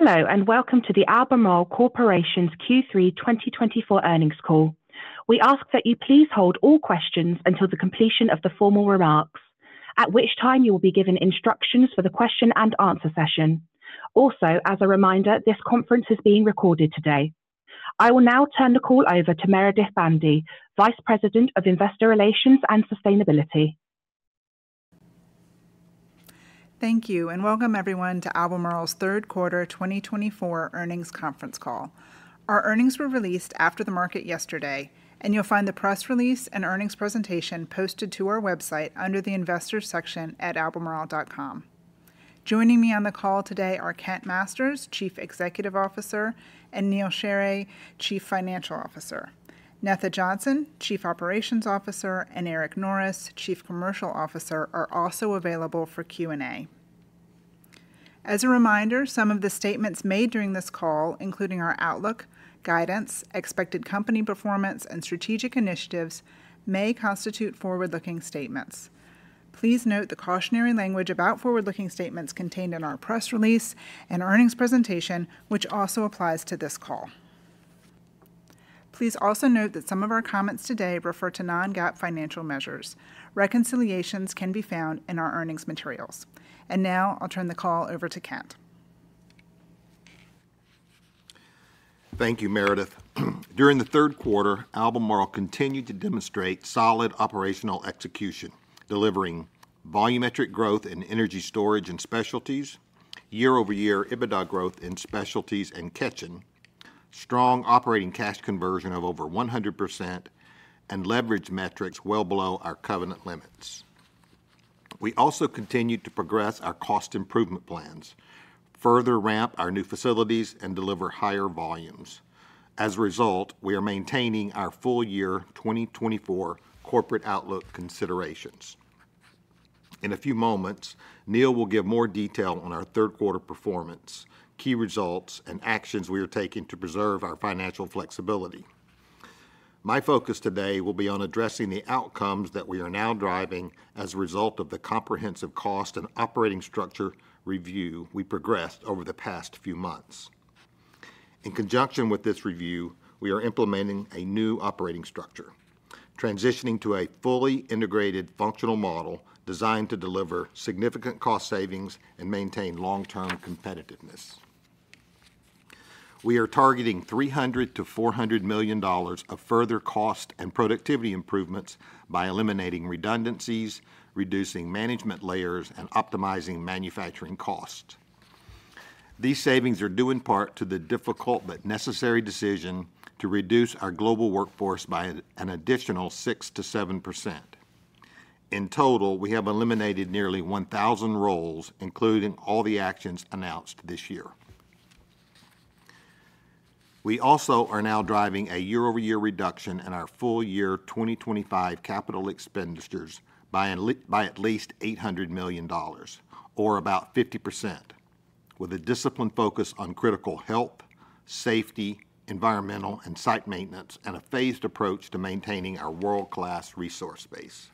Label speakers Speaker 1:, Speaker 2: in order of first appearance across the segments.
Speaker 1: Hello, and welcome to the Albemarle Corporation's Q3 2024 Earnings Call. We ask that you please hold all questions until the completion of the formal remarks, at which time you will be given instructions for the question-and-answer session. Also, as a reminder, this conference is being recorded today. I will now turn the call over to Meredith Bandy, Vice President of Investor Relations and Sustainability.
Speaker 2: Thank you, and welcome everyone to Albemarle's Third Quarter 2024 Earnings Conference Call. Our earnings were released after the market yesterday, and you'll find the press release and earnings presentation posted to our website under the Investors section at albemarle.com. Joining me on the call today are Kent Masters, Chief Executive Officer, and Neal Sheorey, Chief Financial Officer. Netha Johnson, Chief Operations Officer, and Eric Norris, Chief Commercial Officer, are also available for Q&A. As a reminder, some of the statements made during this call, including our outlook, guidance, expected company performance, and strategic initiatives, may constitute forward-looking statements. Please note the cautionary language about forward-looking statements contained in our press release and earnings presentation, which also applies to this call. Please also note that some of our comments today refer to non-GAAP financial measures. Reconciliations can be found in our earnings materials. Now, I'll turn the call over to Kent.
Speaker 3: Thank you, Meredith. During the third quarter, Albemarle continued to demonstrate solid operational execution, delivering volumetric growth in energy storage and specialties, year-over-year EBITDA growth in specialties and Ketjen, strong operating cash conversion of over 100%, and leverage metrics well below our covenant limits. We also continued to progress our cost improvement plans, further ramp our new facilities, and deliver higher volumes. As a result, we are maintaining our full year 2024 corporate outlook considerations. In a few moments, Neal will give more detail on our third-quarter performance, key results, and actions we are taking to preserve our financial flexibility. My focus today will be on addressing the outcomes that we are now driving as a result of the comprehensive cost and operating structure review we progressed over the past few months. In conjunction with this review, we are implementing a new operating structure, transitioning to a fully integrated functional model designed to deliver significant cost savings and maintain long-term competitiveness. We are targeting $300-$400 million of further cost and productivity improvements by eliminating redundancies, reducing management layers, and optimizing manufacturing costs. These savings are due in part to the difficult but necessary decision to reduce our global workforce by an additional 6%-7%. In total, we have eliminated nearly 1,000 roles, including all the actions announced this year. We also are now driving a year-over-year reduction in our full year 2025 capital expenditures by at least $800 million, or about 50%, with a disciplined focus on critical health, safety, environmental, and site maintenance, and a phased approach to maintaining our world-class resource base.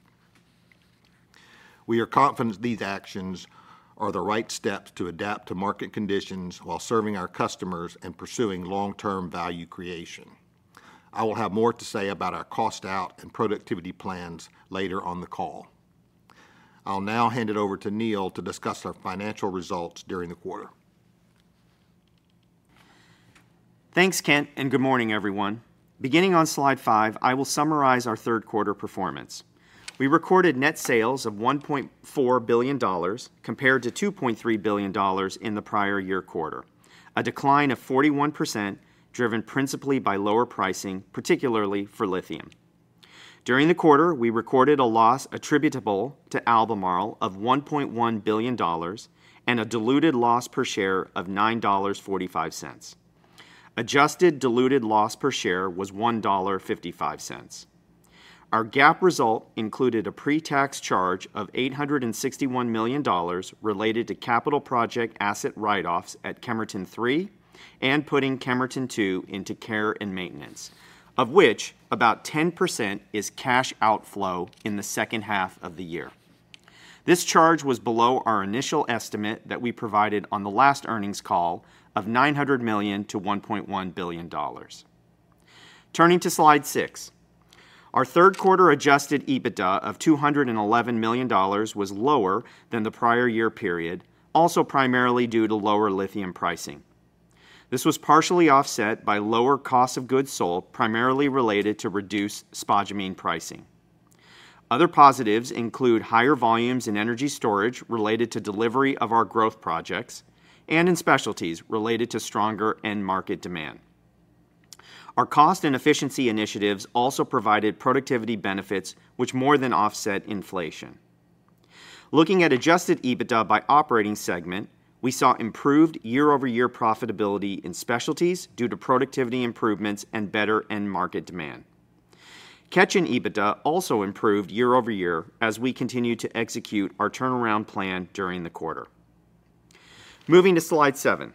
Speaker 3: We are confident these actions are the right steps to adapt to market conditions while serving our customers and pursuing long-term value creation. I will have more to say about our cost-out and productivity plans later on the call. I'll now hand it over to Neal to discuss our financial results during the quarter.
Speaker 4: Thanks, Kent, and good morning, everyone. Beginning on slide five, I will summarize our third-quarter performance. We recorded net sales of $1.4 billion, compared to $2.3 billion in the prior year quarter, a decline of 41% driven principally by lower pricing, particularly for lithium. During the quarter, we recorded a loss attributable to Albemarle of $1.1 billion and a diluted loss per share of $9.45. Adjusted diluted loss per share was $1.55. Our GAAP result included a pre-tax charge of $861 million related to capital project asset write-offs at Kemerton III and putting Kemerton II into care and maintenance, of which about 10% is cash outflow in the second half of the year. This charge was below our initial estimate that we provided on the last earnings call of $900 million to $1.1 billion. Turning to slide six, our third-quarter adjusted EBITDA of $211 million was lower than the prior year period, also primarily due to lower lithium pricing. This was partially offset by lower cost of goods sold, primarily related to reduced spodumene pricing. Other positives include higher volumes in energy storage related to delivery of our growth projects and in specialties related to stronger end-market demand. Our cost and efficiency initiatives also provided productivity benefits, which more than offset inflation. Looking at adjusted EBITDA by operating segment, we saw improved year-over-year profitability in specialties due to productivity improvements and better end-market demand. Ketjen EBITDA also improved year-over-year as we continue to execute our turnaround plan during the quarter. Moving to slide seven,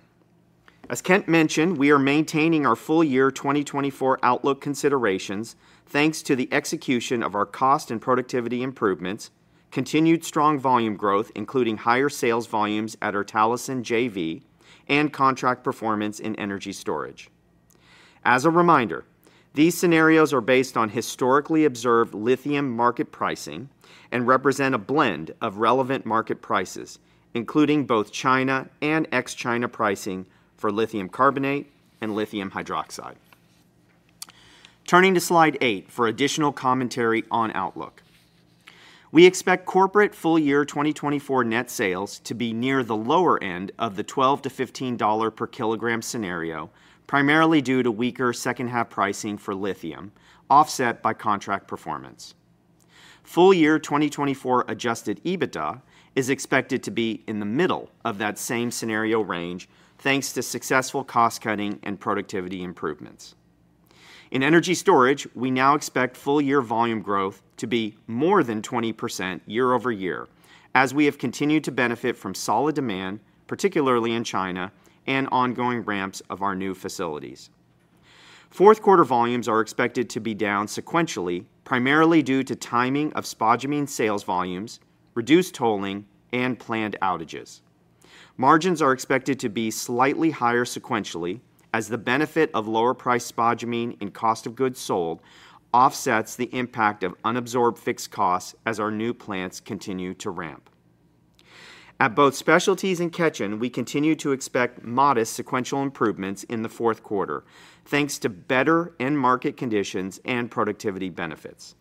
Speaker 4: as Kent mentioned, we are maintaining our full year 2024 outlook considerations thanks to the execution of our cost and productivity improvements, continued strong volume growth, including higher sales volumes at our Talison JV, and contract performance in energy storage. As a reminder, these scenarios are based on historically observed lithium market pricing and represent a blend of relevant market prices, including both China and ex-China pricing for lithium carbonate and lithium hydroxide. Turning to slide eight for additional commentary on outlook, we expect corporate full year 2024 net sales to be near the lower end of the $12-$15 per kilogram scenario, primarily due to weaker second-half pricing for lithium, offset by contract performance. Full year 2024 adjusted EBITDA is expected to be in the middle of that same scenario range, thanks to successful cost-cutting and productivity improvements. In energy storage, we now expect full year volume growth to be more than 20% year-over-year, as we have continued to benefit from solid demand, particularly in China, and ongoing ramps of our new facilities. Fourth quarter volumes are expected to be down sequentially, primarily due to timing of spodumene sales volumes, reduced tolling, and planned outages. Margins are expected to be slightly higher sequentially, as the benefit of lower-priced spodumene in cost of goods sold offsets the impact of unabsorbed fixed costs as our new plants continue to ramp. At both specialties and Ketjen, we continue to expect modest sequential improvements in the fourth quarter, thanks to better end-market conditions and productivity benefits.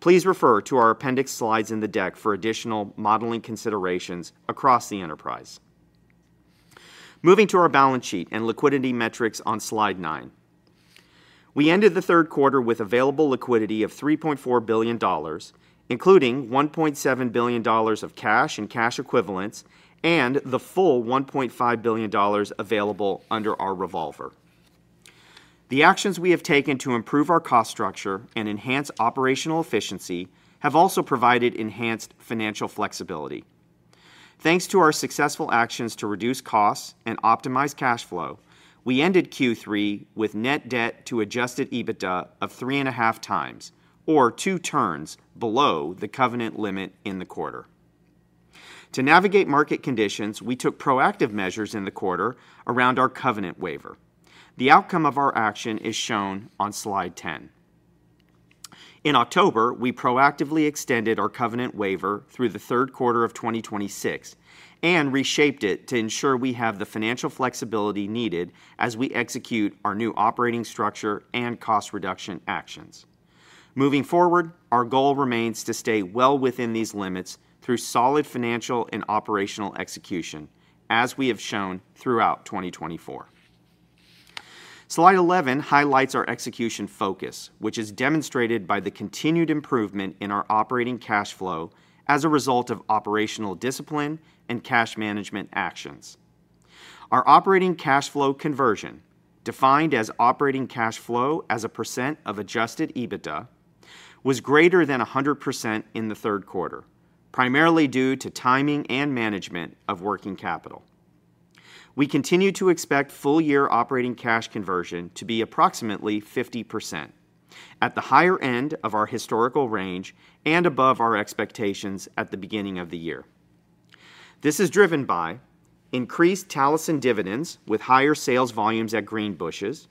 Speaker 4: Please refer to our appendix slides in the deck for additional modeling considerations across the enterprise. Moving to our balance sheet and liquidity metrics on slide nine, we ended the third quarter with available liquidity of $3.4 billion, including $1.7 billion of cash and cash equivalents, and the full $1.5 billion available under our revolver. The actions we have taken to improve our cost structure and enhance operational efficiency have also provided enhanced financial flexibility. Thanks to our successful actions to reduce costs and optimize cash flow, we ended Q3 with net debt to adjusted EBITDA of three and a half times, or two turns, below the covenant limit in the quarter. To navigate market conditions, we took proactive measures in the quarter around our covenant waiver. The outcome of our action is shown on slide 10. In October, we proactively extended our covenant waiver through the third quarter of 2026 and reshaped it to ensure we have the financial flexibility needed as we execute our new operating structure and cost reduction actions. Moving forward, our goal remains to stay well within these limits through solid financial and operational execution, as we have shown throughout 2024. Slide 11 highlights our execution focus, which is demonstrated by the continued improvement in our operating cash flow as a result of operational discipline and cash management actions. Our operating cash flow conversion, defined as operating cash flow as a percent of adjusted EBITDA, was greater than 100% in the third quarter, primarily due to timing and management of working capital. We continue to expect full year operating cash conversion to be approximately 50% at the higher end of our historical range and above our expectations at the beginning of the year. This is driven by increased Talison dividends with higher sales volumes at Greenbushes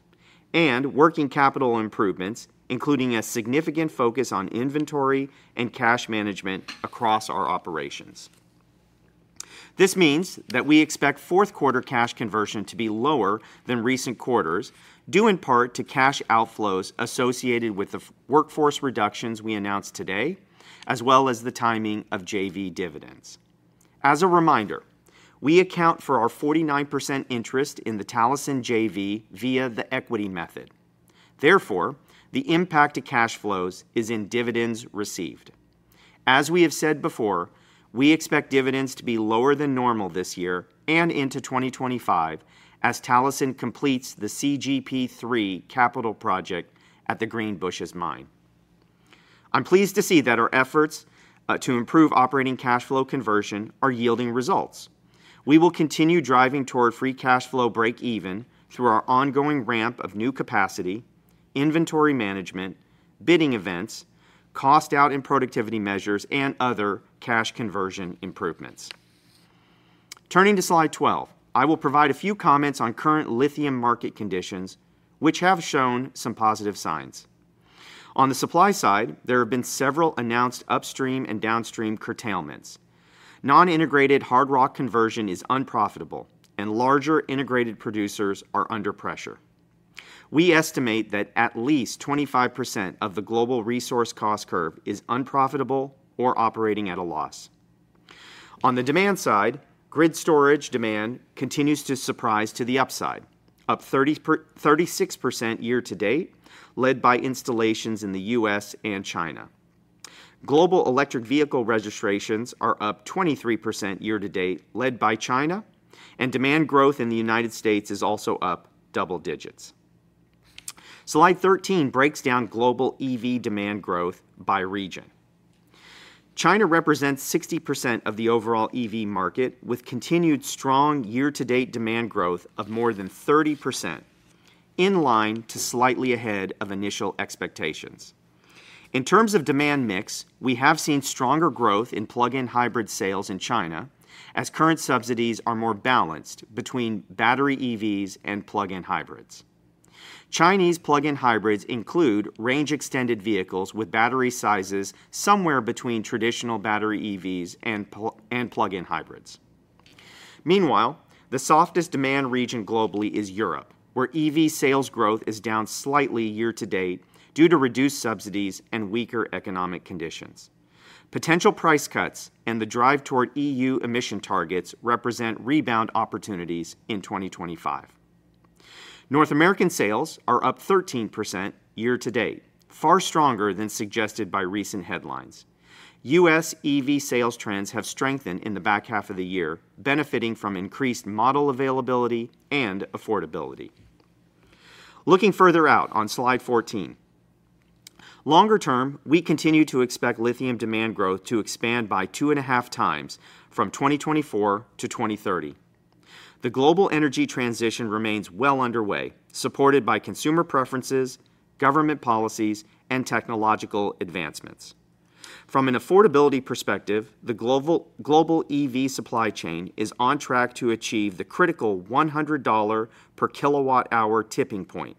Speaker 4: and working capital improvements, including a significant focus on inventory and cash management across our operations. This means that we expect fourth-quarter cash conversion to be lower than recent quarters, due in part to cash outflows associated with the workforce reductions we announced today, as well as the timing of JV dividends. As a reminder, we account for our 49% interest in the Talison JV via the equity method. Therefore, the impact to cash flows is in dividends received. As we have said before, we expect dividends to be lower than normal this year and into 2025 as Talison completes the CGP3 capital project at the Greenbushes mine. I'm pleased to see that our efforts to improve operating cash flow conversion are yielding results. We will continue driving toward free cash flow break-even through our ongoing ramp of new capacity, inventory management, bidding events, cost-out and productivity measures, and other cash conversion improvements. Turning to slide 12, I will provide a few comments on current lithium market conditions, which have shown some positive signs. On the supply side, there have been several announced upstream and downstream curtailments. Non-integrated hard rock conversion is unprofitable, and larger integrated producers are under pressure. We estimate that at least 25% of the global resource cost curve is unprofitable or operating at a loss. On the demand side, grid storage demand continues to surprise to the upside, up 36% year-to-date, led by installations in the U.S. and China. Global electric vehicle registrations are up 23% year-to-date, led by China, and demand growth in the United States is also up double digits. Slide 13 breaks down global EV demand growth by region. China represents 60% of the overall EV market, with continued strong year-to-date demand growth of more than 30%, in line to slightly ahead of initial expectations. In terms of demand mix, we have seen stronger growth in plug-in hybrid sales in China, as current subsidies are more balanced between battery EVs and plug-in hybrids. Chinese plug-in hybrids include range-extended vehicles with battery sizes somewhere between traditional battery EVs and plug-in hybrids. Meanwhile, the softest demand region globally is Europe, where EV sales growth is down slightly year-to-date due to reduced subsidies and weaker economic conditions. Potential price cuts and the drive toward EU emission targets represent rebound opportunities in 2025. North American sales are up 13% year-to-date, far stronger than suggested by recent headlines. U.S. EV sales trends have strengthened in the back half of the year, benefiting from increased model availability and affordability. Looking further out on slide 14, longer term, we continue to expect lithium demand growth to expand by two and a half times from 2024 to 2030. The global energy transition remains well underway, supported by consumer preferences, government policies, and technological advancements. From an affordability perspective, the global EV supply chain is on track to achieve the critical $100 per kilowatt-hour tipping point,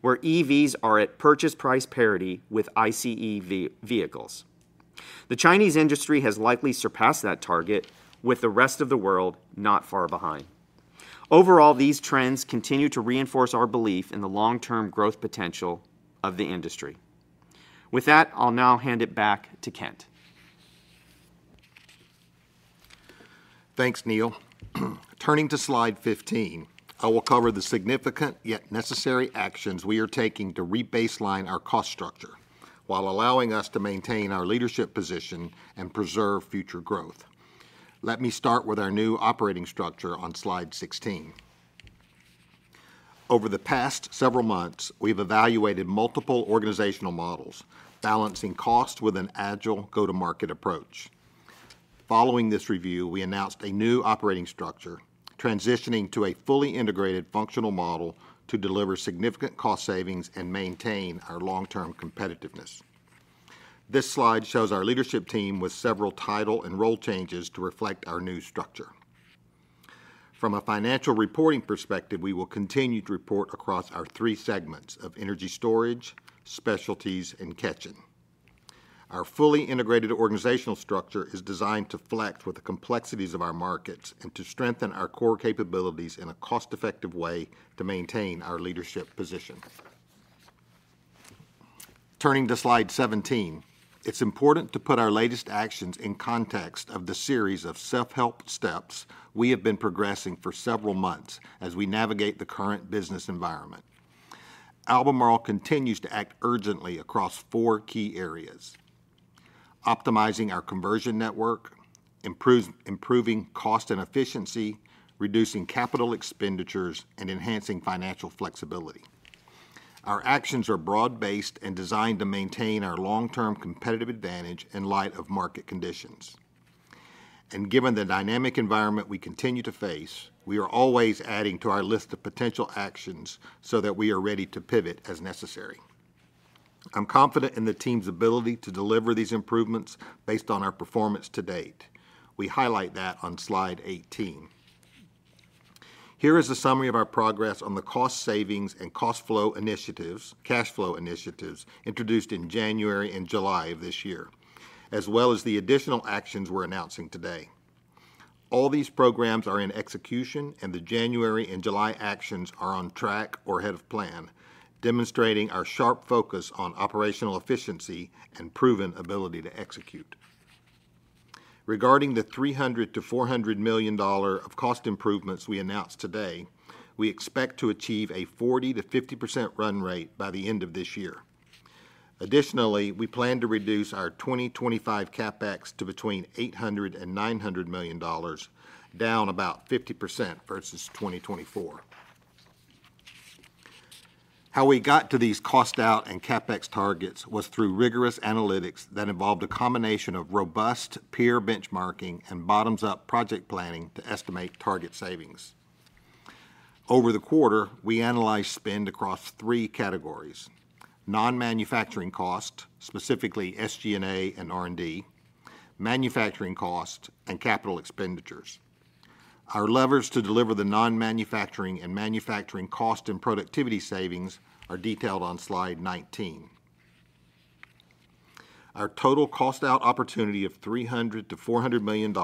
Speaker 4: where EVs are at purchase price parity with ICE vehicles. The Chinese industry has likely surpassed that target, with the rest of the world not far behind. Overall, these trends continue to reinforce our belief in the long-term growth potential of the industry. With that, I'll now hand it back to Kent.
Speaker 3: Thanks, Neal. Turning to slide 15, I will cover the significant yet necessary actions we are taking to re-baseline our cost structure while allowing us to maintain our leadership position and preserve future growth. Let me start with our new operating structure on slide 16. Over the past several months, we have evaluated multiple organizational models, balancing costs with an agile go-to-market approach. Following this review, we announced a new operating structure, transitioning to a fully integrated functional model to deliver significant cost savings and maintain our long-term competitiveness. This slide shows our leadership team with several title and role changes to reflect our new structure. From a financial reporting perspective, we will continue to report across our three segments of energy storage, specialties, and Ketjen. Our fully integrated organizational structure is designed to flex with the complexities of our markets and to strengthen our core capabilities in a cost-effective way to maintain our leadership position. Turning to slide 17, it's important to put our latest actions in context of the series of self-help steps we have been progressing for several months as we navigate the current business environment. Albemarle continues to act urgently across four key areas: optimizing our conversion network, improving cost and efficiency, reducing capital expenditures, and enhancing financial flexibility. Our actions are broad-based and designed to maintain our long-term competitive advantage in light of market conditions. And given the dynamic environment we continue to face, we are always adding to our list of potential actions so that we are ready to pivot as necessary. I'm confident in the team's ability to deliver these improvements based on our performance to date. We highlight that on slide 18. Here is a summary of our progress on the cost savings and cost flow initiatives, cash flow initiatives introduced in January and July of this year, as well as the additional actions we're announcing today. All these programs are in execution, and the January and July actions are on track or ahead of plan, demonstrating our sharp focus on operational efficiency and proven ability to execute. Regarding the $300-$400 million of cost improvements we announced today, we expect to achieve a 40%-50% run rate by the end of this year. Additionally, we plan to reduce our 2025 CapEx to between $800 and $900 million, down about 50% versus 2024. How we got to these cost-out and CapEx targets was through rigorous analytics that involved a combination of robust peer benchmarking and bottoms-up project planning to estimate target savings. Over the quarter, we analyzed spend across three categories: non-manufacturing cost, specifically SG&A and R&D, manufacturing cost, and capital expenditures. Our levers to deliver the non-manufacturing and manufacturing cost and productivity savings are detailed on slide 19. Our total cost-out opportunity of $300-$400 million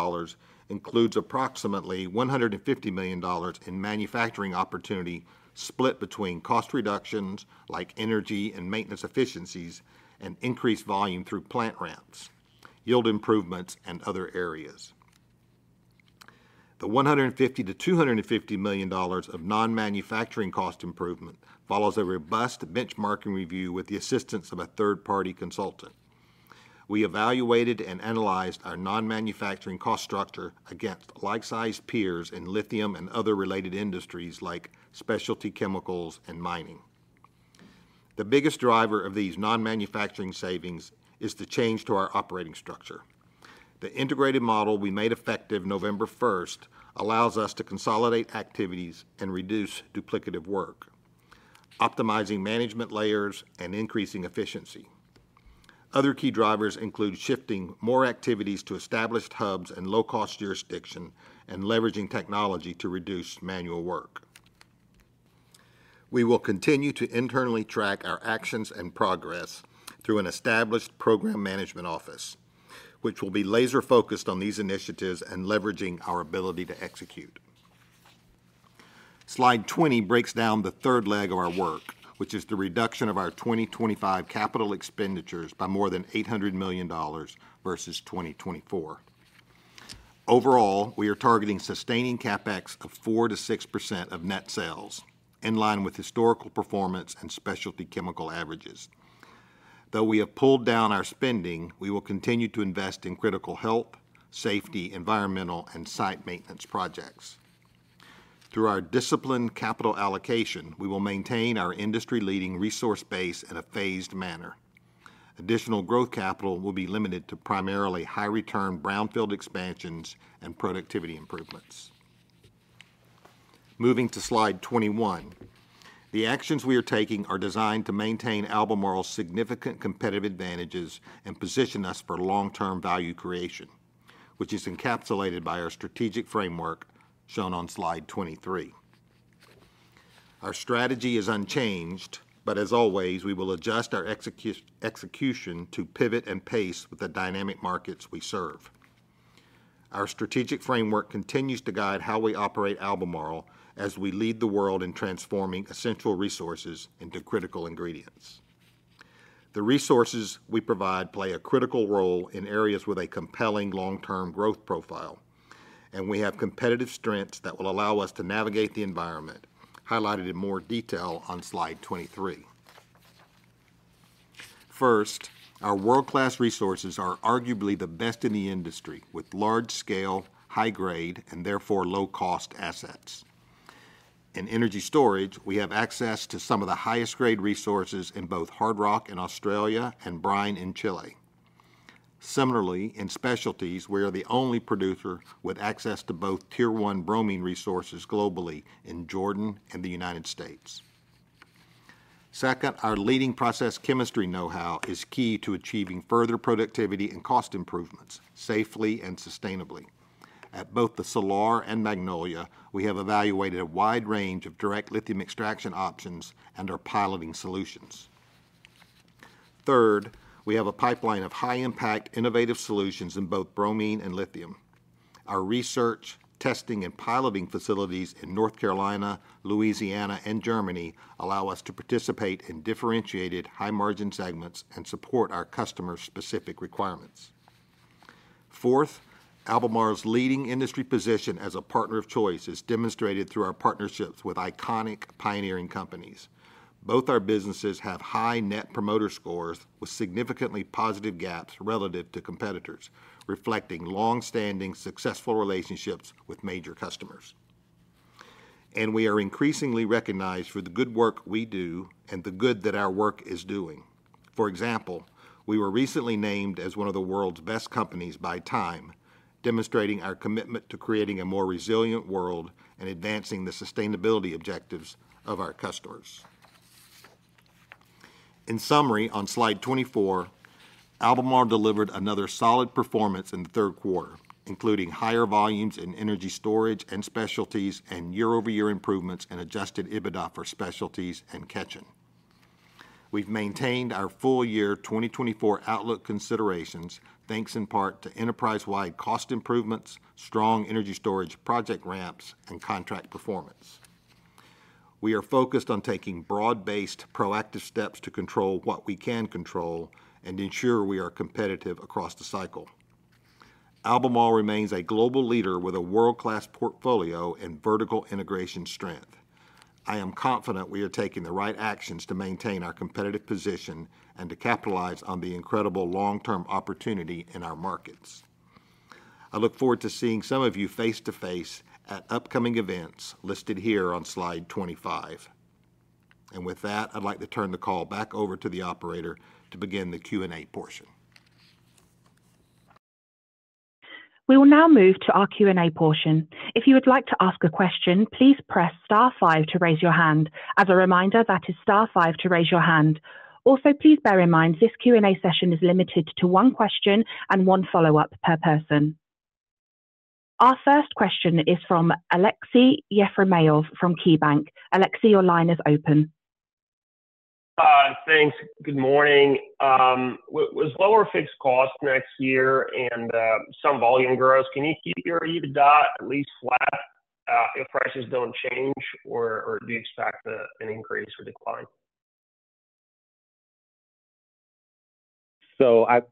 Speaker 3: includes approximately $150 million in manufacturing opportunity split between cost reductions like energy and maintenance efficiencies and increased volume through plant ramps, yield improvements, and other areas. The $150-$250 million of non-manufacturing cost improvement follows a robust benchmarking review with the assistance of a third-party consultant. We evaluated and analyzed our non-manufacturing cost structure against like-sized peers in lithium and other related industries like specialty chemicals and mining. The biggest driver of these non-manufacturing savings is the change to our operating structure. The integrated model we made effective November 1st allows us to consolidate activities and reduce duplicative work, optimizing management layers and increasing efficiency. Other key drivers include shifting more activities to established hubs and low-cost jurisdiction and leveraging technology to reduce manual work. We will continue to internally track our actions and progress through an established program management office, which will be laser-focused on these initiatives and leveraging our ability to execute. Slide 20 breaks down the third leg of our work, which is the reduction of our 2025 capital expenditures by more than $800 million versus 2024. Overall, we are targeting sustaining CapEx of 4%-6% of net sales, in line with historical performance and specialty chemical averages. Though we have pulled down our spending, we will continue to invest in critical health, safety, environmental, and site maintenance projects. Through our disciplined capital allocation, we will maintain our industry-leading resource base in a phased manner. Additional growth capital will be limited to primarily high-return brownfield expansions and productivity improvements. Moving to slide 21, the actions we are taking are designed to maintain Albemarle's significant competitive advantages and position us for long-term value creation, which is encapsulated by our strategic framework shown on slide 23. Our strategy is unchanged, but as always, we will adjust our execution to pivot and pace with the dynamic markets we serve. Our strategic framework continues to guide how we operate Albemarle as we lead the world in transforming essential resources into critical ingredients. The resources we provide play a critical role in areas with a compelling long-term growth profile, and we have competitive strengths that will allow us to navigate the environment, highlighted in more detail on slide 23. First, our world-class resources are arguably the best in the industry, with large-scale, high-grade, and therefore low-cost assets. In energy storage, we have access to some of the highest-grade resources in both hard rock in Australia and brine in Chile. Similarly, in specialties, we are the only producer with access to both tier-one bromine resources globally in Jordan and the United States. Second, our leading process chemistry know-how is key to achieving further productivity and cost improvements safely and sustainably. At both the Salar and Magnolia, we have evaluated a wide range of direct lithium extraction options and our piloting solutions. Third, we have a pipeline of high-impact innovative solutions in both bromine and lithium. Our research, testing, and piloting facilities in North Carolina, Louisiana, and Germany allow us to participate in differentiated high-margin segments and support our customer-specific requirements. Fourth, Albemarle's leading industry position as a partner of choice is demonstrated through our partnerships with iconic pioneering companies. Both our businesses have high Net Promoter Scores with significantly positive gaps relative to competitors, reflecting long-standing successful relationships with major customers. We are increasingly recognized for the good work we do and the good that our work is doing. For example, we were recently named as one of the world's best companies by Time, demonstrating our commitment to creating a more resilient world and advancing the sustainability objectives of our customers. In summary, on slide 24, Albemarle delivered another solid performance in the third quarter, including higher volumes in energy storage and specialties and year-over-year improvements in adjusted EBITDA for specialties and Ketjen. We've maintained our full year 2024 outlook considerations, thanks in part to enterprise-wide cost improvements, strong energy storage project ramps, and contract performance. We are focused on taking broad-based proactive steps to control what we can control and ensure we are competitive across the cycle. Albemarle remains a global leader with a world-class portfolio and vertical integration strength. I am confident we are taking the right actions to maintain our competitive position and to capitalize on the incredible long-term opportunity in our markets. I look forward to seeing some of you face-to-face at upcoming events listed here on slide 25. And with that, I'd like to turn the call back over to the operator to begin the Q&A portion.
Speaker 1: We will now move to our Q&A portion. If you would like to ask a question, please press star five to raise your hand. As a reminder, that is star five to raise your hand. Also, please bear in mind this Q&A session is limited to one question and one follow-up per person. Our first question is from Aleksey Yefremov from KeyBanc. Alexey, your line is open.
Speaker 5: Thanks. Good morning. With lower fixed costs next year and some volume growth, can you keep your EBITDA at least flat if prices don't change, or do you expect an increase or decline?
Speaker 3: So that's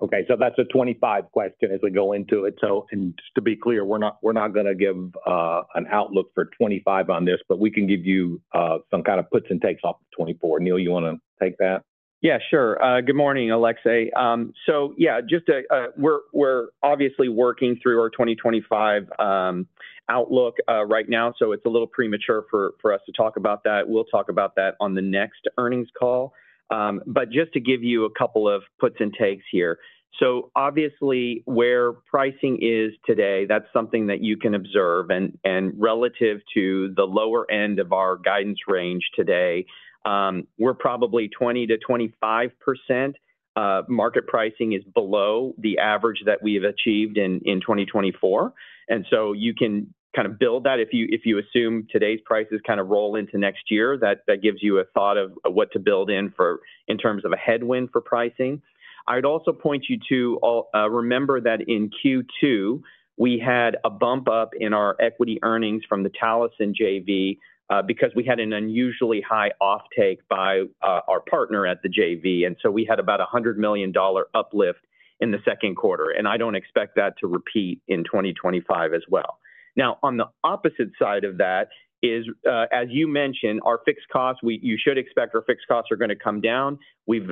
Speaker 3: a 2025 question as we go into it. And to be clear, we're not going to give an outlook for 2025 on this, but we can give you some kind of puts and takes off of 2024. Neal, you want to take that?
Speaker 4: Yeah, sure. Good morning, Alexey. So yeah, we're obviously working through our 2025 outlook right now, so it's a little premature for us to talk about that. We'll talk about that on the next earnings call. But just to give you a couple of puts and takes here. So obviously, where pricing is today, that's something that you can observe. And relative to the lower end of our guidance range today, we're probably 20%-25%. Market pricing is below the average that we have achieved in 2024. And so you can kind of build that. If you assume today's prices kind of roll into next year, that gives you a thought of what to build in in terms of a headwind for pricing. I'd also point you to remember that in Q2, we had a bump up in our equity earnings from the Talison JV because we had an unusually high offtake by our partner at the JV. And so we had about a $100 million uplift in the second quarter. And I don't expect that to repeat in 2025 as well. Now, on the opposite side of that is, as you mentioned, our fixed costs. You should expect our fixed costs are going to come down. We've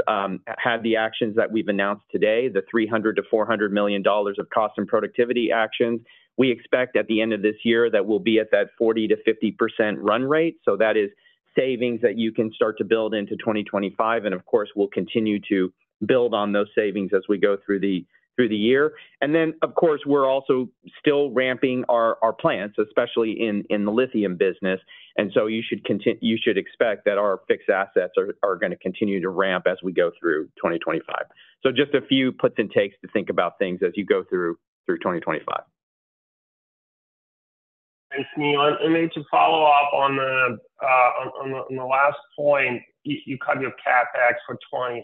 Speaker 4: had the actions that we've announced today, the $300-$400 million of cost and productivity actions. We expect at the end of this year that we'll be at that 40%-50% run rate. So that is savings that you can start to build into 2025. And of course, we'll continue to build on those savings as we go through the year. And then, of course, we're also still ramping our plants, especially in the lithium business. And so you should expect that our fixed assets are going to continue to ramp as we go through 2025. So just a few puts and takes to think about things as you go through 2025.
Speaker 5: Thanks, Neal, and to follow up on the last point, you cut your CapEx for 2025.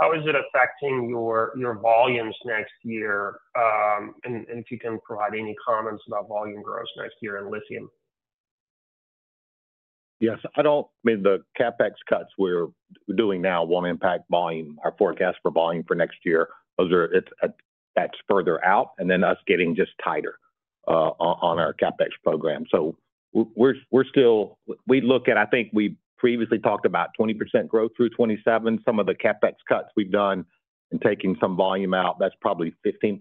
Speaker 5: How is it affecting your volumes next year, and if you can provide any comments about volume growth next year in lithium?
Speaker 3: Yes. I mean, the CapEx cuts we're doing now won't impact volume, our forecast for volume for next year. That's further out, and then us getting just tighter on our CapEx program. So we look at, I think we previously talked about 20% growth through 2027. Some of the CapEx cuts we've done and taking some volume out, that's probably 15%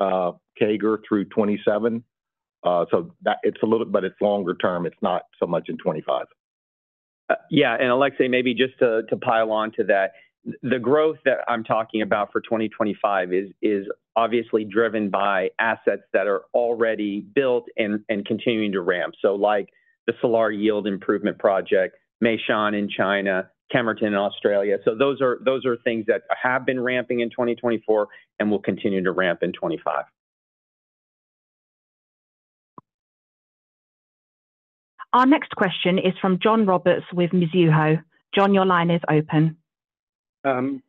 Speaker 3: CAGR through 2027. So it's a little bit, but it's longer term. It's not so much in 2025.
Speaker 4: Yeah. Alexey, maybe just to pile on to that, the growth that I'm talking about for 2025 is obviously driven by assets that are already built and continuing to ramp. So like the Salar Yield Improvement Project, Meishan in China, Kemerton in Australia. So those are things that have been ramping in 2024 and will continue to ramp in 2025.
Speaker 1: Our next question is from John Roberts with Mizuho. John, your line is open.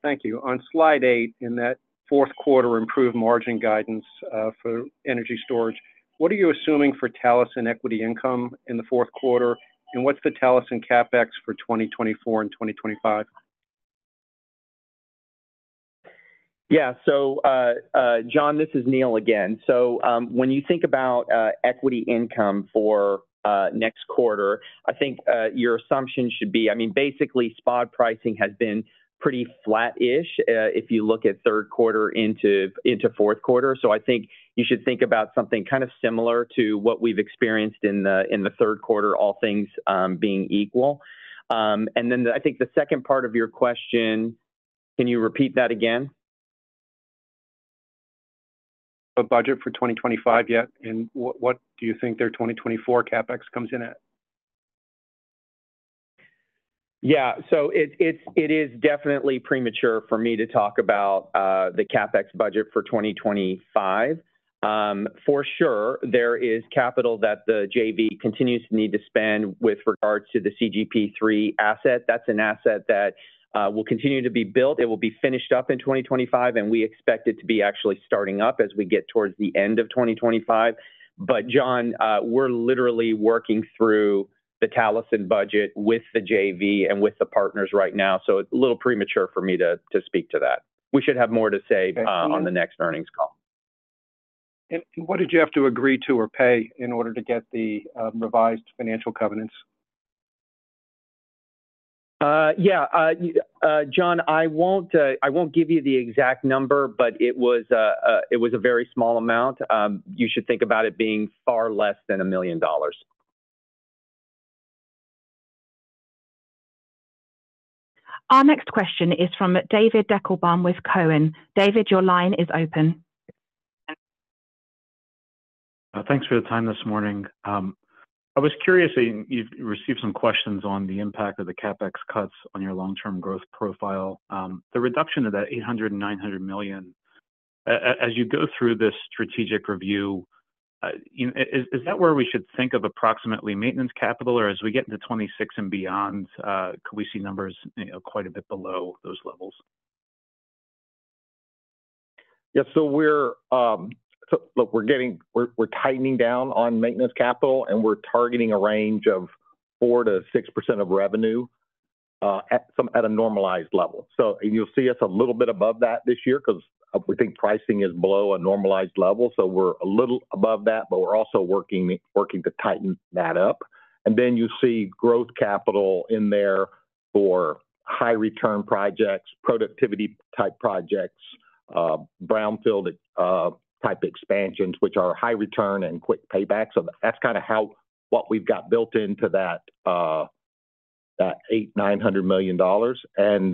Speaker 6: Thank you. On slide eight in that fourth quarter improved margin guidance for energy storage, what are you assuming for Talison equity income in the fourth quarter? And what's the Talison CapEx for 2024 and 2025?
Speaker 4: Yeah. So John, this is Neal again. So when you think about equity income for next quarter, I think your assumption should be, I mean, basically spot pricing has been pretty flat-ish if you look at third quarter into fourth quarter. So I think you should think about something kind of similar to what we've experienced in the third quarter, all things being equal. And then I think the second part of your question, can you repeat that again?
Speaker 6: The budget for 2025 yet? And what do you think their 2024 CapEx comes in at?
Speaker 4: Yeah. So it is definitely premature for me to talk about the CapEx budget for 2025. For sure, there is capital that the JV continues to need to spend with regards to the CGP3 asset. That's an asset that will continue to be built. It will be finished up in 2025, and we expect it to be actually starting up as we get towards the end of 2025. But John, we're literally working through the Talison budget with the JV and with the partners right now. So a little premature for me to speak to that. We should have more to say on the next earnings call.
Speaker 6: What did you have to agree to or pay in order to get the revised financial covenants?
Speaker 4: Yeah. John, I won't give you the exact number, but it was a very small amount. You should think about it being far less than $1 million.
Speaker 1: Our next question is from David Deckelbaum with TD Cowen. David, your line is open.
Speaker 7: Thanks for the time this morning. I was curious, and you've received some questions on the impact of the CapEx cuts on your long-term growth profile. The reduction of that $800 million and $900 million, as you go through this strategic review, is that where we should think of approximately maintenance capital? Or as we get into 2026 and beyond, could we see numbers quite a bit below those levels?
Speaker 3: Yeah. So look, we're tightening down on maintenance capital, and we're targeting a range of 4%-6% of revenue at a normalized level. So you'll see us a little bit above that this year because we think pricing is below a normalized level. So we're a little above that, but we're also working to tighten that up. And then you see growth capital in there for high-return projects, productivity-type projects, brownfield-type expansions, which are high-return and quick payback. So that's kind of what we've got built into that $800 million-$900 million. And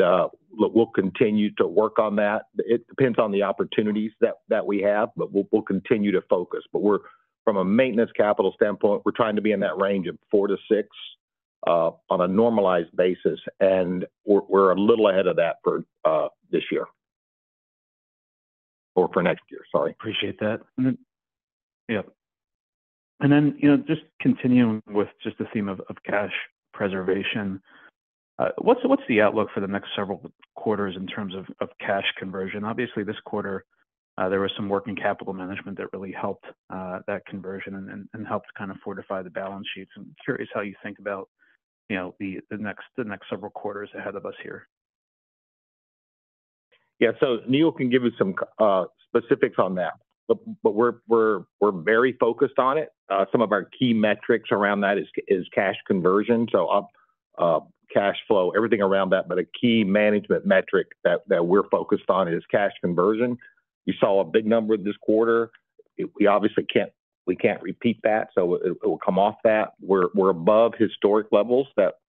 Speaker 3: look, we'll continue to work on that. It depends on the opportunities that we have, but we'll continue to focus. But from a maintenance capital standpoint, we're trying to be in that range of 4%-6% on a normalized basis. And we're a little ahead of that for this year or for next year. Sorry.
Speaker 7: Appreciate that. Yep. And then just continuing with just the theme of cash preservation, what's the outlook for the next several quarters in terms of cash conversion? Obviously, this quarter, there was some work in capital management that really helped that conversion and helped kind of fortify the balance sheets. I'm curious how you think about the next several quarters ahead of us here.
Speaker 3: Yeah. So Neal can give you some specifics on that. But we're very focused on it. Some of our key metrics around that is cash conversion. So cash flow, everything around that. But a key management metric that we're focused on is cash conversion. We saw a big number this quarter. We obviously can't repeat that, so it will come off that. We're above historic levels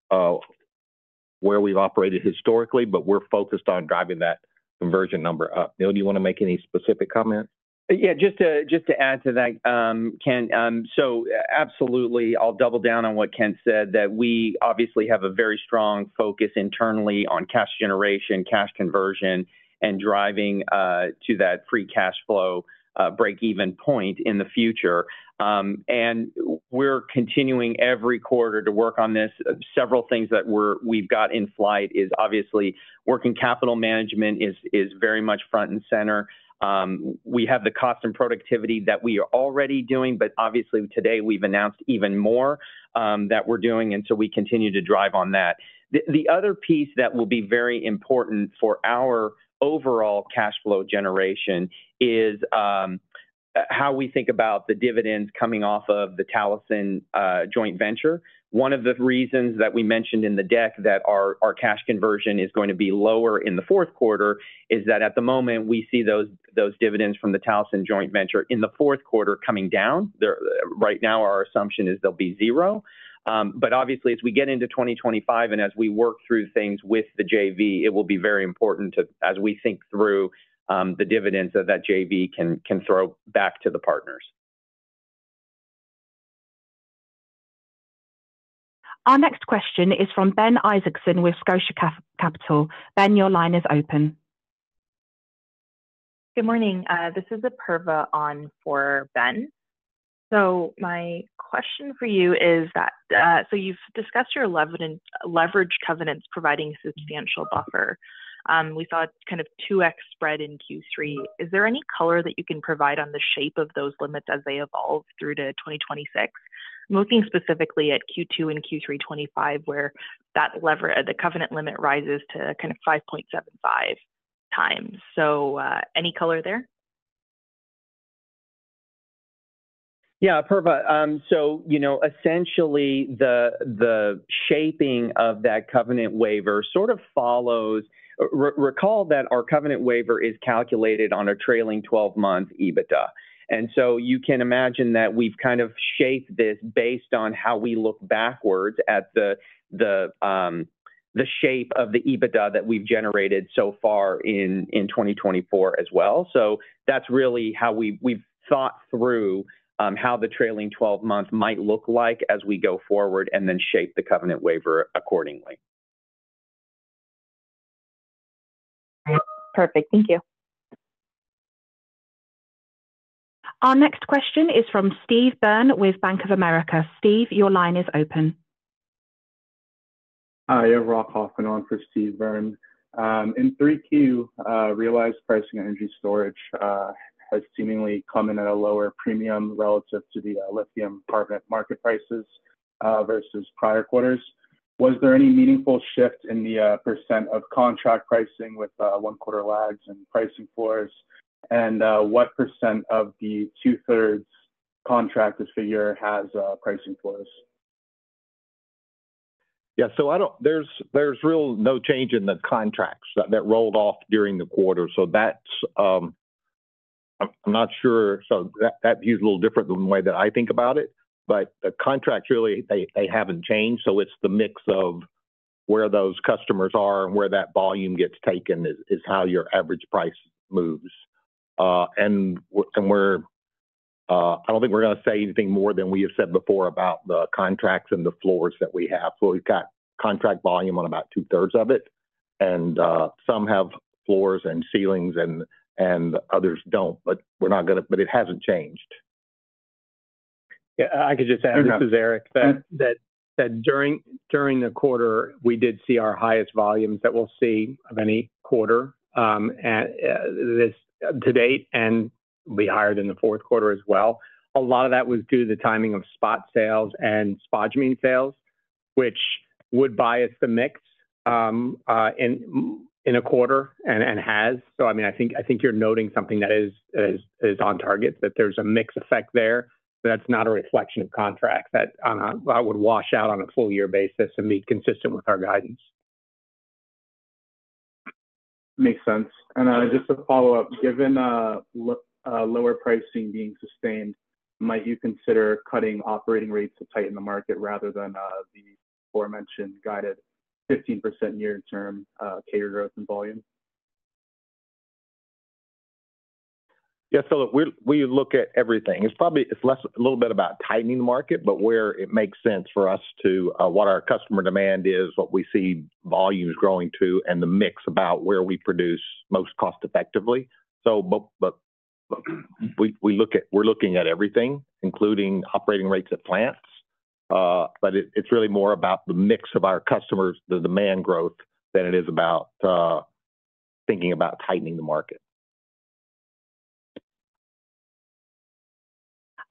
Speaker 3: where we've operated historically, but we're focused on driving that conversion number up. Neal, do you want to make any specific comments?
Speaker 4: Yeah. Just to add to that, Ken, so absolutely, I'll double down on what Ken said, that we obviously have a very strong focus internally on cash generation, cash conversion, and driving to that free cash flow break-even point in the future. And we're continuing every quarter to work on this. Several things that we've got in flight is obviously working capital management is very much front and center. We have the cost and productivity that we are already doing, but obviously today we've announced even more that we're doing. And so we continue to drive on that. The other piece that will be very important for our overall cash flow generation is how we think about the dividends coming off of the Talison joint venture. One of the reasons that we mentioned in the deck that our cash conversion is going to be lower in the fourth quarter is that at the moment, we see those dividends from the Talison joint venture in the fourth quarter coming down. Right now, our assumption is they'll be zero. But obviously, as we get into 2025 and as we work through things with the JV, it will be very important as we think through the dividends that that JV can throw back to the partners.
Speaker 1: Our next question is from Ben Isaacson with Scotia Capital. Ben, your line is open. Good morning. This is Apurva on for Ben. So my question for you is that so you've discussed your leverage covenants providing a substantial buffer. We saw kind of 2x spread in Q3. Is there any color that you can provide on the shape of those limits as they evolve through to 2026? I'm looking specifically at Q2 and Q3 2025, where that leverage, the covenant limit rises to kind of 5.75 times. So any color there?
Speaker 4: Yeah, Apurva. So essentially, the shaping of that covenant waiver sort of follows. Recall that our covenant waiver is calculated on a trailing 12-month EBITDA. And so you can imagine that we've kind of shaped this based on how we look backwards at the shape of the EBITDA that we've generated so far in 2024 as well. So that's really how we've thought through how the trailing 12 months might look like as we go forward and then shape the covenant waiver accordingly. Perfect. Thank you.
Speaker 1: Our next question is from Steve Byrne with Bank of America. Steve, your line is open.
Speaker 8: Hi. I'm Rob Hoffman on for Steve Byrne. In 3Q, realized pricing energy storage has seemingly come in at a lower premium relative to the lithium carbonate market prices versus prior quarters. Was there any meaningful shift in the percent of contract pricing with one-quarter lags and pricing floors? And what percent of the two-thirds contracted figure has pricing floors?
Speaker 3: Yeah. So there's really no change in the contracts that rolled off during the quarter. So I'm not sure. So that view's a little different than the way that I think about it. But the contracts really, they haven't changed. So it's the mix of where those customers are and where that volume gets taken is how your average price moves. And I don't think we're going to say anything more than we have said before about the contracts and the floors that we have. So we've got contract volume on about two-thirds of it. And some have floors and ceilings and others don't. But we're not going to, but it hasn't changed.
Speaker 9: Yeah. I could just add, this is Eric, that during the quarter, we did see our highest volumes that we'll see of any quarter to date, and it'll be higher than the fourth quarter as well. A lot of that was due to the timing of spot sales and spodumene sales, which would bias the mix in a quarter and has. So I mean, I think you're noting something that is on target, that there's a mix effect there. That's not a reflection of contracts that would wash out on a full year basis and be consistent with our guidance.
Speaker 8: Makes sense. And just to follow up, given lower pricing being sustained, might you consider cutting operating rates to tighten the market rather than the aforementioned guided 15% near term CAGR growth and volume?
Speaker 3: Yeah. So, look, we look at everything. It's probably a little bit about tightening the market, but where it makes sense for us to what our customer demand is, what we see volumes growing to, and the mix about where we produce most cost effectively. So, we're looking at everything, including operating rates at plants. But it's really more about the mix of our customers, the demand growth, than it is about thinking about tightening the market.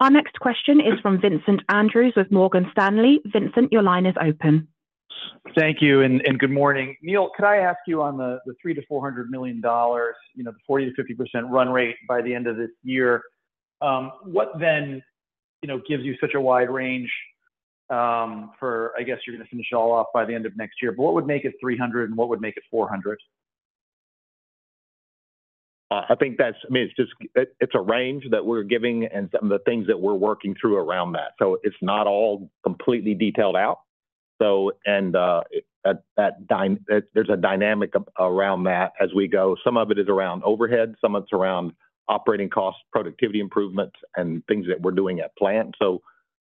Speaker 1: Our next question is from Vincent Andrews with Morgan Stanley. Vincent, your line is open.
Speaker 10: Thank you. And good morning. Neal, could I ask you on the $300-$400 million, the 40%-50% run rate by the end of this year, what then gives you such a wide range for, I guess, you're going to finish it all off by the end of next year? But what would make it 300, and what would make it 400?
Speaker 4: I mean, it's a range that we're giving and some of the things that we're working through around that. So it's not all completely detailed out. And there's a dynamic around that as we go. Some of it is around overhead. Some of it's around operating costs, productivity improvements, and things that we're doing at plant. So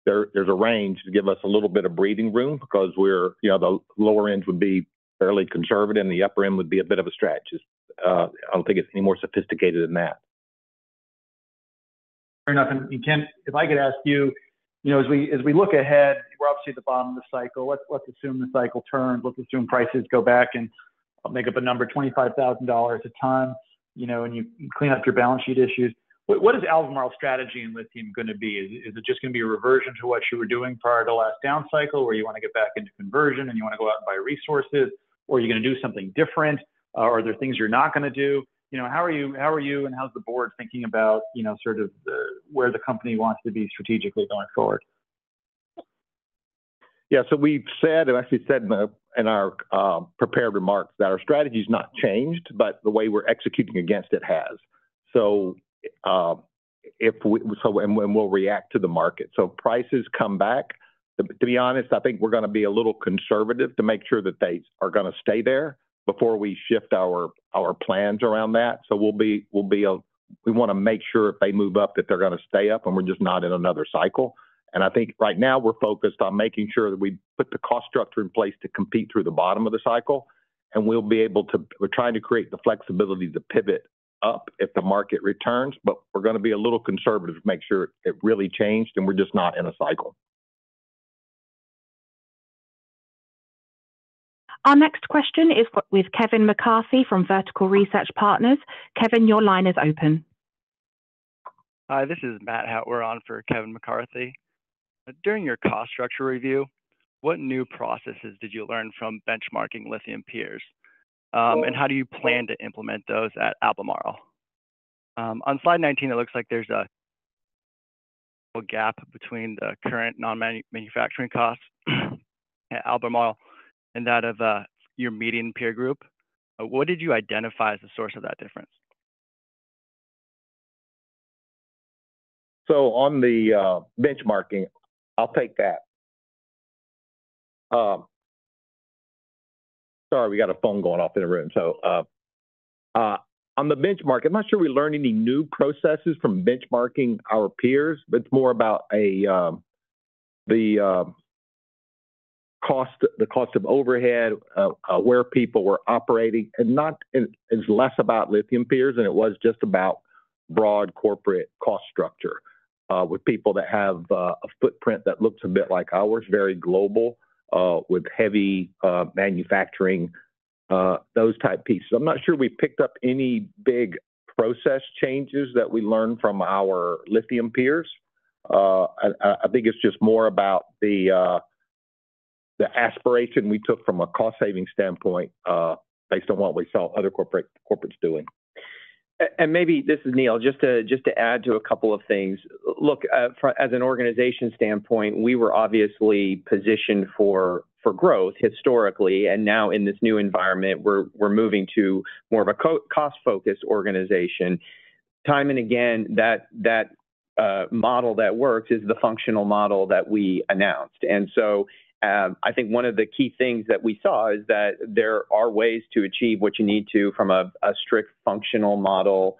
Speaker 4: there's a range to give us a little bit of breathing room because the lower end would be fairly conservative, and the upper end would be a bit of a stretch. I don't think it's any more sophisticated than that.
Speaker 10: Fair enough. And Ken, if I could ask you, as we look ahead, we're obviously at the bottom of the cycle. Let's assume the cycle turns. Let's assume prices go back and make up a number, $25,000 at a time, and you clean up your balance sheet issues. What is Albemarle's strategy in lithium going to be? Is it just going to be a reversion to what you were doing prior to last down cycle, where you want to get back into conversion and you want to go out and buy resources, or are you going to do something different? Are there things you're not going to do? How are you, and how's the board thinking about sort of where the company wants to be strategically going forward?
Speaker 3: Yeah. So we've said, and I actually said in our prepared remarks, that our strategy has not changed, but the way we're executing against it has. And we'll react to the market. So prices come back. To be honest, I think we're going to be a little conservative to make sure that they are going to stay there before we shift our plans around that. So we want to make sure if they move up that they're going to stay up, and we're just not in another cycle. And I think right now we're focused on making sure that we put the cost structure in place to compete through the bottom of the cycle. We're trying to create the flexibility to pivot up if the market returns, but we're going to be a little conservative to make sure it really changed, and we're just not in a cycle.
Speaker 1: Our next question is with Kevin McCarthy from Vertical Research Partners. Kevin, your line is open.
Speaker 11: Hi. This is Matt Hettwer on for Kevin McCarthy. During your cost structure review, what new processes did you learn from benchmarking lithium peers, and how do you plan to implement those at Albemarle? On slide 19, it looks like there's a gap between the current non-manufacturing costs at Albemarle and that of your median peer group. What did you identify as the source of that difference?
Speaker 3: So on the benchmarking, I'll take that. Sorry, we got a phone going off in the room. So on the benchmarking, I'm not sure we learned any new processes from benchmarking our peers, but it's more about the cost of overhead, where people were operating, and it's less about lithium peers than it was just about broad corporate cost structure with people that have a footprint that looks a bit like ours, very global, with heavy manufacturing, those type pieces. I'm not sure we picked up any big process changes that we learned from our lithium peers. I think it's just more about the aspiration we took from a cost-saving standpoint based on what we saw other corporates doing.
Speaker 4: And maybe this is Neal, just to add to a couple of things. Look, as an organization standpoint, we were obviously positioned for growth historically. And now in this new environment, we're moving to more of a cost-focused organization. Time and again, that model that works is the functional model that we announced. And so I think one of the key things that we saw is that there are ways to achieve what you need to from a strict functional model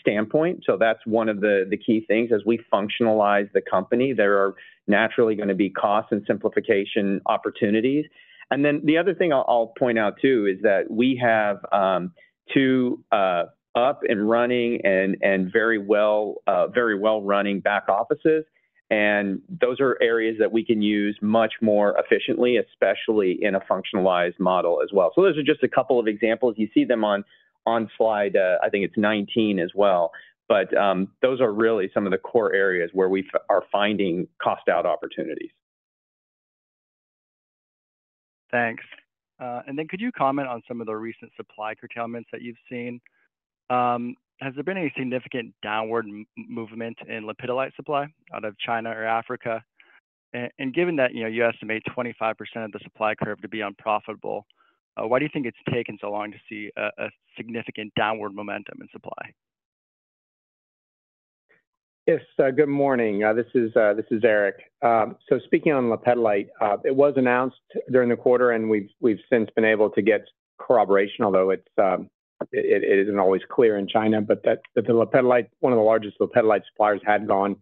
Speaker 4: standpoint. So that's one of the key things. As we functionalize the company, there are naturally going to be costs and simplification opportunities. And then the other thing I'll point out too is that we have two up and running and very well-running back offices. And those are areas that we can use much more efficiently, especially in a functionalized model as well. So those are just a couple of examples. You see them on slide, I think it's 19 as well. But those are really some of the core areas where we are finding cost-out opportunities.
Speaker 11: Thanks. And then could you comment on some of the recent supply curtailments that you've seen? Has there been any significant downward movement in lepidolite supply out of China or Africa? And given that you estimate 25% of the supply curve to be unprofitable, why do you think it's taken so long to see a significant downward momentum in supply?
Speaker 9: Yes. Good morning. This is Eric. So speaking on lepidolite, it was announced during the quarter, and we've since been able to get corroboration, although it isn't always clear in China, but that one of the largest lepidolite suppliers had gone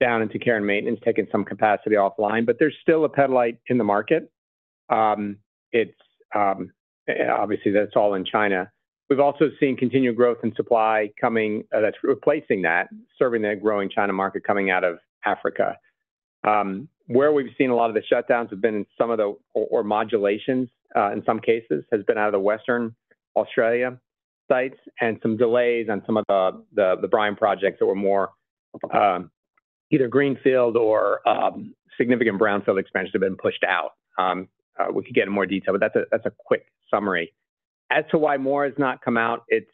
Speaker 9: down into care and maintenance, taken some capacity offline. But there's still lepidolite in the market. Obviously, that's all in China. We've also seen continued growth in supply that's replacing that, serving that growing China market coming out of Africa. Where we've seen a lot of the shutdowns have been in some of the or modulations in some cases has been out of the Western Australia sites and some delays on some of the brine projects that were more either greenfield or significant brownfield expansions have been pushed out. We could get in more detail, but that's a quick summary. As to why more has not come out, it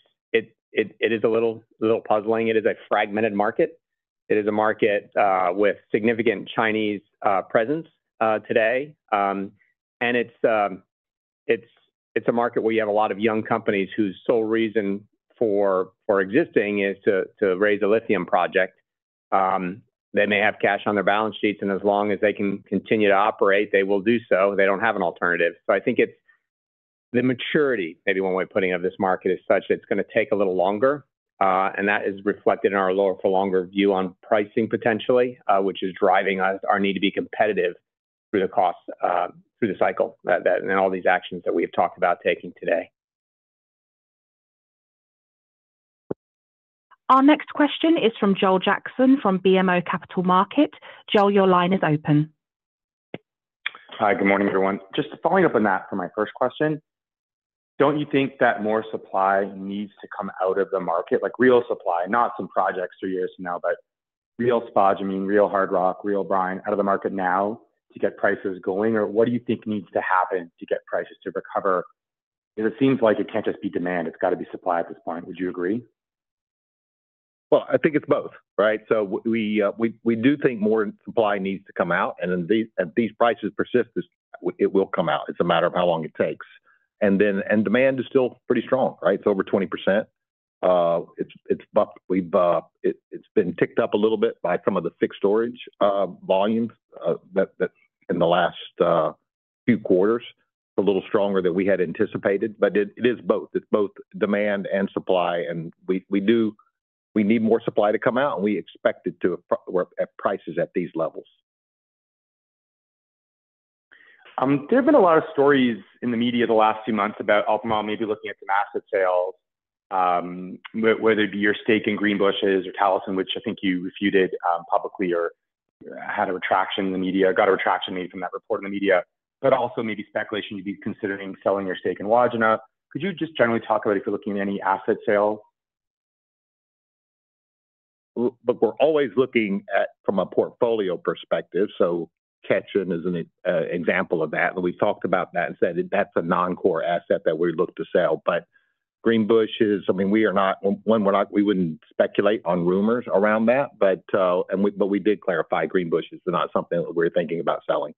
Speaker 9: is a little puzzling. It is a fragmented market. It is a market with significant Chinese presence today, and it's a market where you have a lot of young companies whose sole reason for existing is to raise a lithium project. They may have cash on their balance sheets, and as long as they can continue to operate, they will do so. They don't have an alternative, so I think the maturity, maybe one way of putting it, of this market is such that it's going to take a little longer, and that is reflected in our lower-for-longer view on pricing potentially, which is driving our need to be competitive through the costs, through the cycle, and all these actions that we have talked about taking today.
Speaker 1: Our next question is from Joel Jackson from BMO Capital Markets. Joel, your line is open.
Speaker 12: Hi. Good morning, everyone. Just following up on that for my first question, don't you think that more supply needs to come out of the market, like real supply, not some projects three years from now, but real spodumene, real hard rock, real brine out of the market now to get prices going? Or what do you think needs to happen to get prices to recover? Because it seems like it can't just be demand. It's got to be supply at this point. Would you agree?
Speaker 3: I think it's both, right? So we do think more supply needs to come out. And if these prices persist, it will come out. It's a matter of how long it takes. And demand is still pretty strong, right? It's over 20%. It's been ticked up a little bit by some of the energy storage volumes in the last few quarters, a little stronger than we had anticipated. But it is both. It's both demand and supply. And we need more supply to come out, and we expect it to at prices at these levels.
Speaker 12: There have been a lot of stories in the media the last few months about Albemarle maybe looking at some asset sales, whether it be your stake in Greenbushes or Talison, which I think you refuted publicly or had a retraction in the media, got a retraction maybe from that report in the media, but also maybe speculation you'd be considering selling your stake in Wodgina. Could you just generally talk about if you're looking at any asset sale?
Speaker 3: But we're always looking at from a portfolio perspective. So Ketjen is an example of that. And we've talked about that and said that's a non-core asset that we look to sell. But Greenbushes, I mean, we are not, we wouldn't speculate on rumors around that. But we did clarify Greenbushes is not something that we're thinking about selling.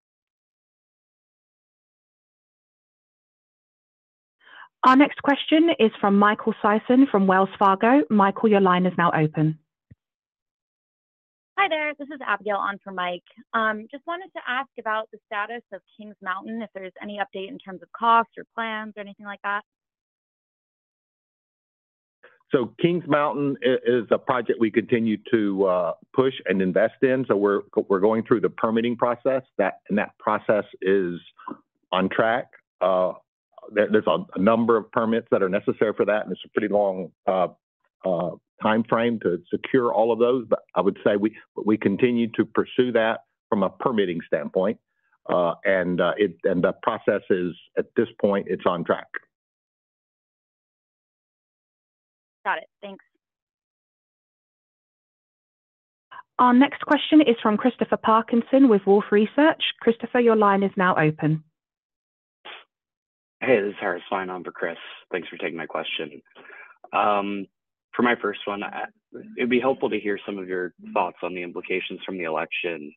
Speaker 1: Our next question is from Michael Sison from Wells Fargo. Michael, your line is now open. Hi there. This is Abigail on for Mike. Just wanted to ask about the status of Kings Mountain, if there's any update in terms of costs or plans or anything like that.
Speaker 3: So Kings Mountain is a project we continue to push and invest in. So we're going through the permitting process, and that process is on track. There's a number of permits that are necessary for that, and it's a pretty long timeframe to secure all of those. But I would say we continue to pursue that from a permitting standpoint. And the process is, at this point, it's on track. Got it. Thanks.
Speaker 1: Our next question is from Christopher Parkinson with Wolfe Research. Christopher, your line is now open.
Speaker 13: Hey, this is Harris Fein on for Chris. Thanks for taking my question. For my first one, it'd be helpful to hear some of your thoughts on the implications from the election,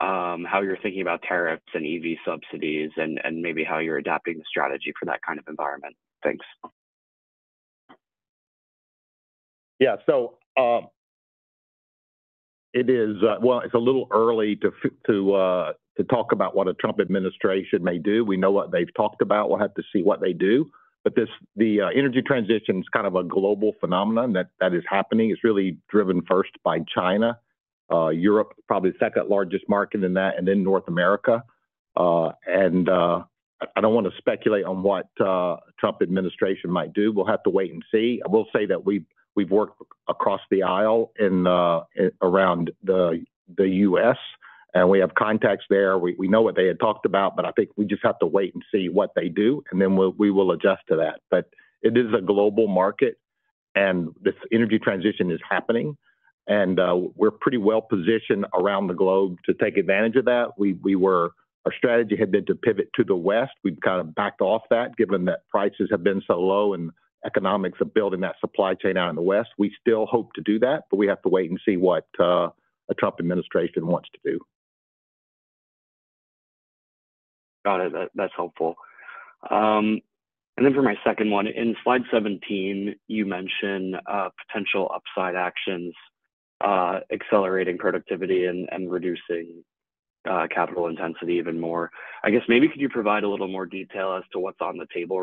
Speaker 13: how you're thinking about tariffs and EV subsidies, and maybe how you're adapting the strategy for that kind of environment. Thanks.
Speaker 3: Yeah, so it is, well, it's a little early to talk about what a Trump administration may do. We know what they've talked about. We'll have to see what they do, but the energy transition is kind of a global phenomenon that is happening. It's really driven first by China. Europe is probably the second largest market in that, and then North America, and I don't want to speculate on what the Trump administration might do. We'll have to wait and see. I will say that we've worked across the aisle around the U.S., and we have contacts there. We know what they had talked about, but I think we just have to wait and see what they do, and then we will adjust to that, but it is a global market, and this energy transition is happening. We're pretty well positioned around the globe to take advantage of that. Our strategy had been to pivot to the West. We've kind of backed off that given that prices have been so low and economics of building that supply chain out in the West. We still hope to do that, but we have to wait and see what the Trump administration wants to do.
Speaker 13: Got it. That's helpful. And then for my second one, in slide 17, you mentioned potential upside actions, accelerating productivity and reducing capital intensity even more. I guess maybe could you provide a little more detail as to what's on the table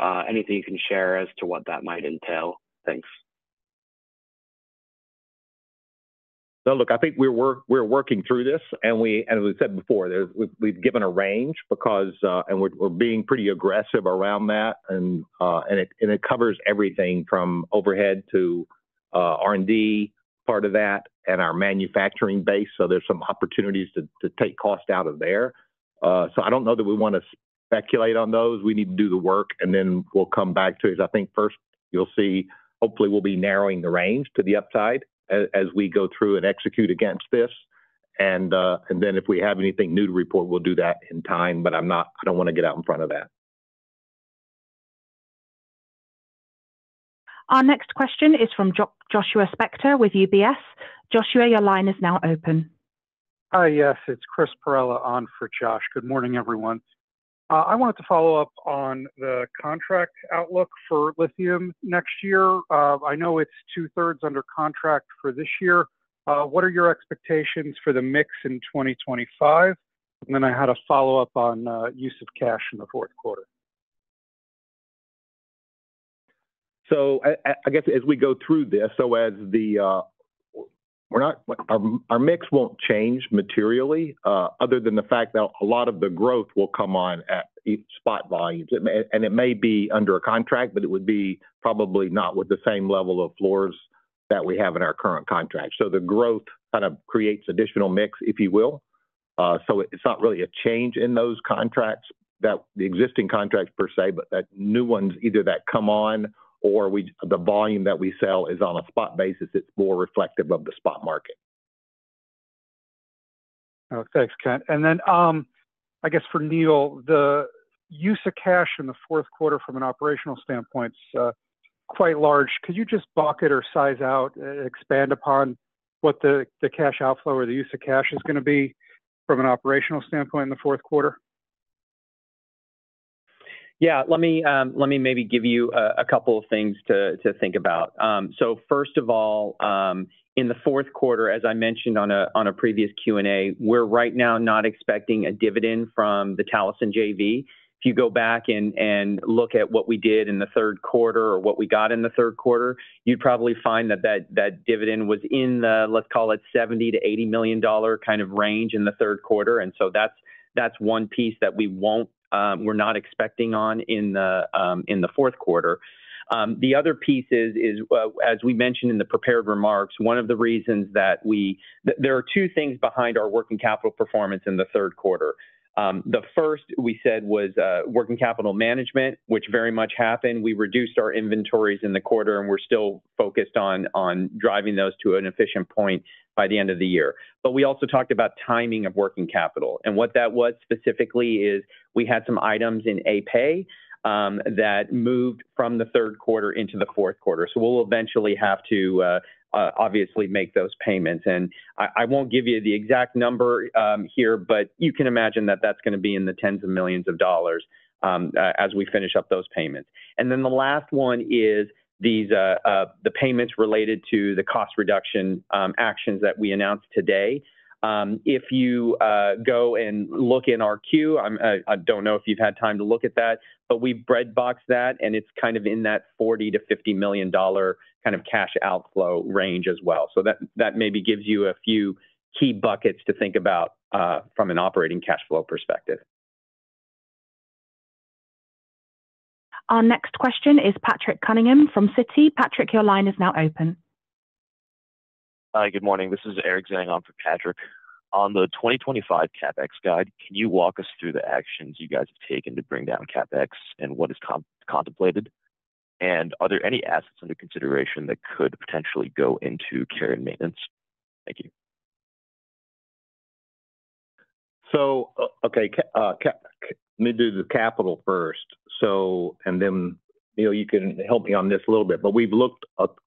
Speaker 13: right now? Anything you can share as to what that might entail? Thanks.
Speaker 3: Look, I think we're working through this, and as we said before, we've given a range because we're being pretty aggressive around that, and it covers everything from overhead to R&D, part of that, and our manufacturing base, so there's some opportunities to take cost out of there, so I don't know that we want to speculate on those. We need to do the work, and then we'll come back to it. I think first, you'll see, hopefully, we'll be narrowing the range to the upside as we go through and execute against this, and then if we have anything new to report, we'll do that in time, but I don't want to get out in front of that.
Speaker 1: Our next question is from Joshua Spector with UBS. Joshua, your line is now open.
Speaker 14: Hi. Yes. It's Chris Perrella on for Josh. Good morning, everyone. I wanted to follow up on the contract outlook for lithium next year. I know it's two-thirds under contract for this year. What are your expectations for the mix in 2025? And then I had a follow-up on use of cash in the fourth quarter.
Speaker 3: I guess as we go through this, so as our mix won't change materially other than the fact that a lot of the growth will come on at spot volumes. And it may be under a contract, but it would be probably not with the same level of floors that we have in our current contract. The growth kind of creates additional mix, if you will. It's not really a change in those contracts, the existing contracts per se, but the new ones, either that come on or the volume that we sell is on a spot basis. It's more reflective of the spot market.
Speaker 14: Thanks, Kent. And then I guess for Neal, the use of cash in the fourth quarter from an operational standpoint is quite large. Could you just bucket or size out, expand upon what the cash outflow or the use of cash is going to be from an operational standpoint in the fourth quarter?
Speaker 4: Yeah. Let me maybe give you a couple of things to think about. So first of all, in the fourth quarter, as I mentioned on a previous Q&A, we're right now not expecting a dividend from the Talison JV. If you go back and look at what we did in the third quarter or what we got in the third quarter, you'd probably find that that dividend was in the, let's call it, $70 million-$80 million kind of range in the third quarter. And so that's one piece that we're not expecting on in the fourth quarter. The other piece is, as we mentioned in the prepared remarks, one of the reasons that we there are two things behind our working capital performance in the third quarter. The first, we said, was working capital management, which very much happened. We reduced our inventories in the quarter, and we're still focused on driving those to an efficient point by the end of the year. But we also talked about timing of working capital. And what that was specifically is we had some items in AP that moved from the third quarter into the fourth quarter. So we'll eventually have to obviously make those payments. And I won't give you the exact number here, but you can imagine that that's going to be in the tens of millions of dollars as we finish up those payments. And then the last one is the payments related to the cost reduction actions that we announced today. If you go and look in our queue, I don't know if you've had time to look at that, but we've breadboxed that, and it's kind of in that $40 million-$50 million kind of cash outflow range as well. So that maybe gives you a few key buckets to think about from an operating cash flow perspective.
Speaker 1: Our next question is Patrick Cunningham from Citi. Patrick, your line is now open.
Speaker 15: Hi. Good morning. This is Eric Zhang on for Patrick. On the 2025 CapEx guide, can you walk us through the actions you guys have taken to bring down CapEx and what is contemplated? And are there any assets under consideration that could potentially go into care and maintenance? Thank you.
Speaker 3: Okay, let me do the capital first. And then you can help me on this a little bit. But we've looked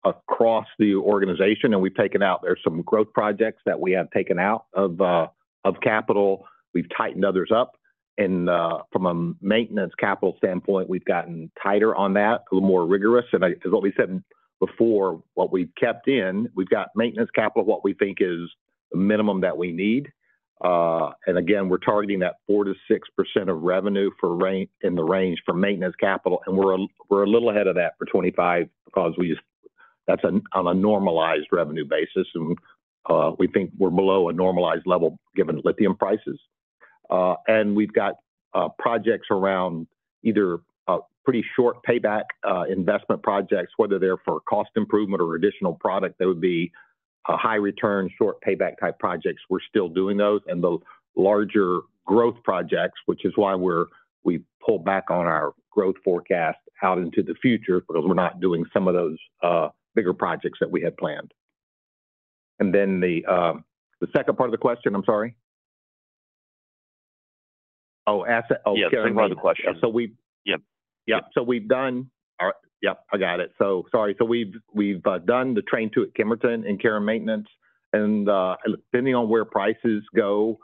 Speaker 3: across the organization, and we've taken out there some growth projects that we have taken out of capital. We've tightened others up. And from a maintenance capital standpoint, we've gotten tighter on that, a little more rigorous. And as we said before, what we've kept in, we've got maintenance capital, what we think is the minimum that we need. And again, we're targeting that 4%-6% of revenue in the range for maintenance capital. And we're a little ahead of that for 2025 because that's on a normalized revenue basis. And we think we're below a normalized level given lithium prices. And we've got projects around either pretty short payback investment projects, whether they're for cost improvement or additional product that would be high-return, short payback type projects. We're still doing those. And the larger growth projects, which is why we've pulled back on our growth forecast out into the future because we're not doing some of those bigger projects that we had planned. And then the second part of the question, I'm sorry? Oh, asset care and maintenance.
Speaker 15: Yeah. Same part of the question. So we've done the Train 2 at Kemerton and care and maintenance. And depending on where prices go,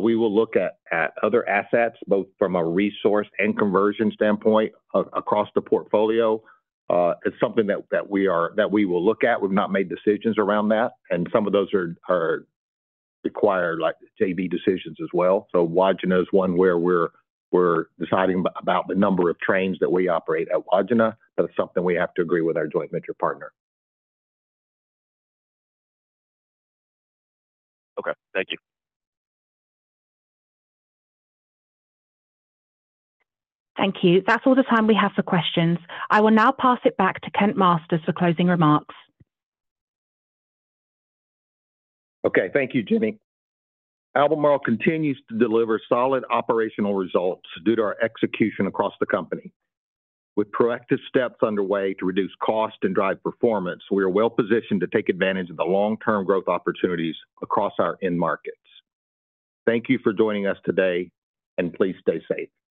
Speaker 15: we will look at other assets, both from a resource and conversion standpoint across the portfolio. It's something that we will look at. We've not made decisions around that. And some of those are required JV decisions as well. So Wodgina is one where we're deciding about the number of trains that we operate at Wodgina. That's something we have to agree with our joint venture partner. Okay. Thank you.
Speaker 1: Thank you. That's all the time we have for questions. I will now pass it back to Kent Masters for closing remarks.
Speaker 3: Okay. Thank you, Jenny. Albemarle continues to deliver solid operational results due to our execution across the company. With proactive steps underway to reduce cost and drive performance, we are well positioned to take advantage of the long-term growth opportunities across our end markets. Thank you for joining us today, and please stay safe.